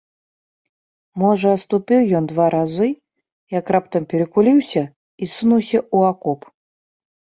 Можа, ступіў ён два разы, як раптам перакуліўся і сунуўся ў акоп.